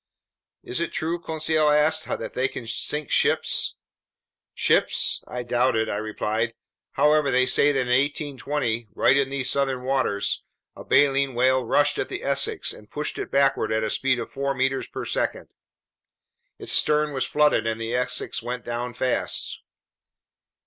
"Is it true," Conseil asked, "that they can sink ships?" "Ships? I doubt it," I replied. "However, they say that in 1820, right in these southern seas, a baleen whale rushed at the Essex and pushed it backward at a speed of four meters per second. Its stern was flooded, and the Essex went down fast."